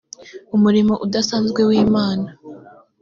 umurimo udasanzwe w imana